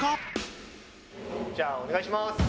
じゃあお願いします。